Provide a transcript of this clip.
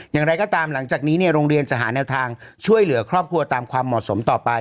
อย่างไรก็ตามหลังจากนี้เนี่ยโรงเรียนจะหาแนวทางช่วยเหลือครอบครัวตามความเหมาะสมต่อไป